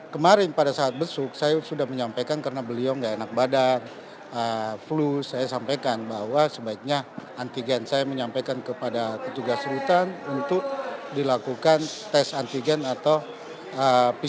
kemarin pada saat besuk saya sudah menyampaikan karena beliau nggak enak badan flu saya sampaikan bahwa sebaiknya antigen saya menyampaikan kepada petugas rutan untuk dilakukan tes antigen atau pcr